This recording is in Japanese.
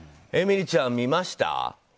えみりちゃん、見ました？